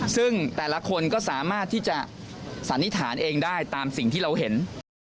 ซึ่งแต่ละคนก็สามารถที่จะสันนิษฐานเองได้ตามสิ่งที่เราเห็น